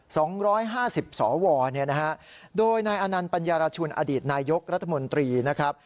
สองร้อยห้าสิบสวเนี่ยนะฮะโดยนายอนันต์ปัญญารชุนอดีตนายกรัฐมนตรีนะครับ